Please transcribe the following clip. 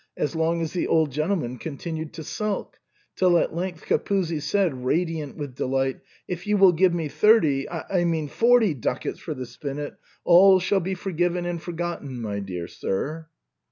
as long as the old gentleman continued to sulk — till at length Capuzzi said, radiant with delight, " If you will give me thirty, — I mean forty ducats for the spinet, all shall be for given and forgotten, my dear sir."